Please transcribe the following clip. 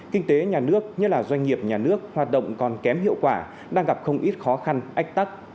kinh tế nhà nước nhất là doanh nghiệp nhà nước hoạt động còn kém hiệu quả đang gặp không ít khó khăn ách tắc